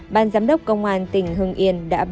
ban giám đốc công an tỉnh hưng yên đã báo